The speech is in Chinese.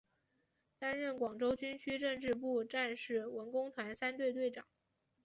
担任广州军区政治部战士文工团三队队长。